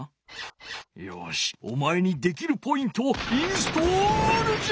よしお前にできるポイントをインストールじゃ！